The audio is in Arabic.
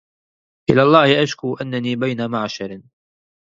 إلى الله أشكو أنني بين معشر